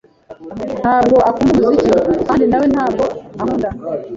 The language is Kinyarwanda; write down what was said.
"Ntabwo akunda umuziki." "Kandi na we ntabwo ankunda."